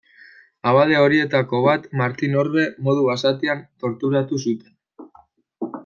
Abade horietako bat, Martin Orbe, modu basatian torturatu zuten.